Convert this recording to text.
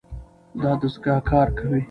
دا دستګاه کار کوي.